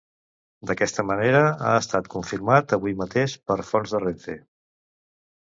D'aquesta manera ha estat confirmat avui mateix per fonts de Renfe.